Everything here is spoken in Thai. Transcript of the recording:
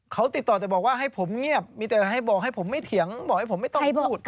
เขาติดต่อแต่บอกว่าให้ผมเงียบมีแต่ให้บอกให้ผมไม่เถียงบอกให้ผมไม่ต้องพูด